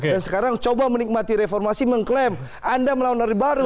dan sekarang coba menikmati reformasi mengklaim anda melawan orde baru